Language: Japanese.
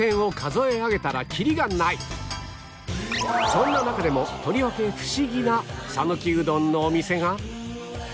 そんな中でもとりわけフシギな讃岐うどんのお店が